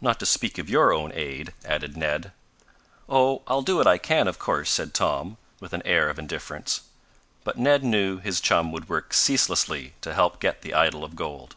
"Not to speak of your own aid," added Ned. "Oh, I'll do what I can, of course," said Tom, with an air of indifference. But Ned knew his chum would work ceaselessly to help get the idol of gold.